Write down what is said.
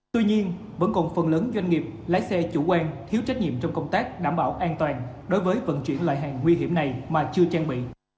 tuy nhiên vẫn còn phần lớn doanh nghiệp lái xe chủ quan thiếu trách nhiệm trong công tác đảm bảo an toàn đối với vận chuyển loại hàng nguy hiểm này mà chưa trang bị